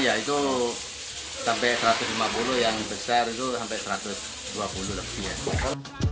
ya itu sampai satu ratus lima puluh yang besar itu sampai satu ratus dua puluh lebih ya